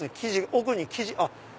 奥に生地。